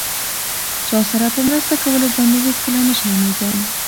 چاسره په مرسته کولو باندې هيڅکله مه شرميږم!